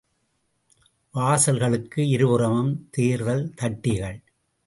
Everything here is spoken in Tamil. வாசல்களுக்கு இருபுறமும் தேர்தல் தட்டிகள்.